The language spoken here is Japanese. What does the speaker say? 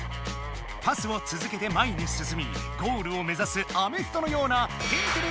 パスをつづけて前にすすみゴールを目ざすアメフトのような「天てれ」